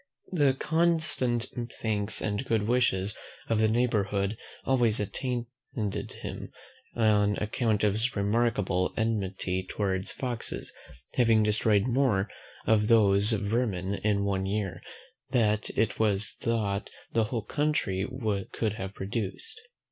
The constant thanks and good wishes of the neighbourhood always attended him, on account of his remarkable enmity towards foxes; having destroyed more of those vermin in one year, than it was thought the whole country could have produced.